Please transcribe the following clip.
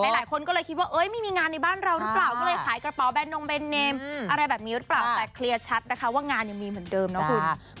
หลายคนก็เลยคิดว่าไม่มีงานในบ้านเราหรือเปล่าก็เลยขายกระเป๋าแบนนงแนนเนมอะไรแบบนี้หรือเปล่าแต่เคลียร์ชัดนะคะว่างานยังมีเหมือนเดิมนะคุณ